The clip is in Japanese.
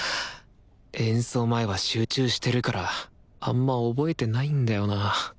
演奏前は集中してるからあんま覚えてないんだよな